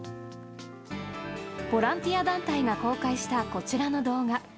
ボランティア団体が公開したこちらの動画。